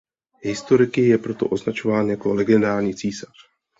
Historiky je proto označován jako legendární císař.